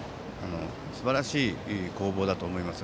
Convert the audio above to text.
すばらしい攻防だと思います。